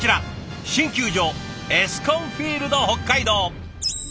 新球場エスコンフィールド北海道。